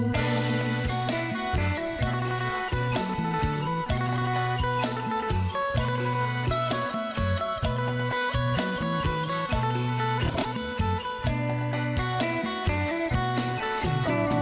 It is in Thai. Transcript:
เยอะโสธรเมืองบังไฟโก